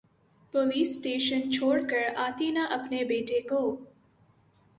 police station چھوڑ کر آتی نا اپنے بیٹے کو